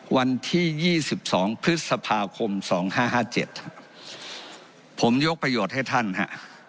วันที่ยี่สิบสองพฤษภาคมสองห้าห้าเจ็ดฮะผมยกประโยชน์ให้ท่านฮะ